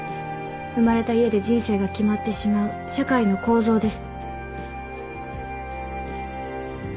生まれた家で人生が決まってしまう社会の構造です。